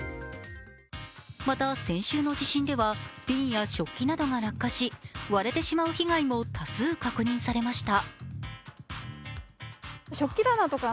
また、先週の地震では瓶や食器などが落下し割れてしまう被害も多数確認されました。